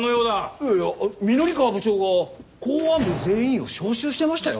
いやいや御法川部長が公安部全員を招集してましたよ。